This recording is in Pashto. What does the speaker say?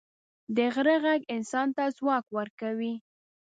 د غره ږغ انسان ته ځواک ورکوي.